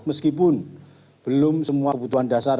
meskipun belum semua kebutuhan dasar